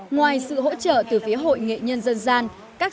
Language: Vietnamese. ngoài sự hỗ trợ từ phía hội nghệ nhân dân gian